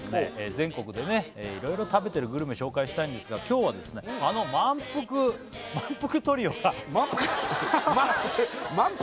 全国でねいろいろ食べてるグルメ紹介したいんですが今日はあの満腹トリオが満腹？